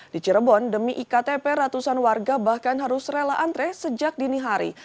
di cirebon demi iktp ratusan warga bahkan harus rela antre sejak dini hari